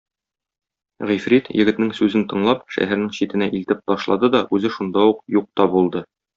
Гыйфрит, егетнең сүзен тыңлап, шәһәрнең читенә илтеп ташлады да үзе шунда ук юк та булды.